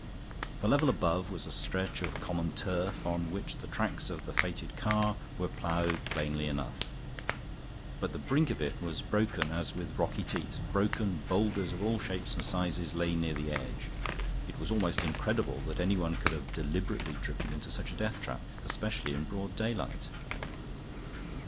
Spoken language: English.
The level above was a stretch of common turf on which the tracks of the fated car were plowed plainly enough; but the brink of it was broken as with rocky teeth; broken boulders of all shapes and sizes lay near the edge; it was almost incredible that any one could have deliberately driven into such a death trap, especially in broad daylight.